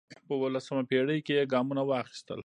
په اوولسمه پېړۍ کې یې ګامونه واخیستل